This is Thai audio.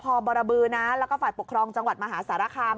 บริษัทพอร์บรบรบื้อนะแล้วก็ฝัดปกครองจังหวัดมหาสารคาม